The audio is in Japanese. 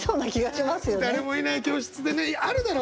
誰もいない教室でねあるだろ？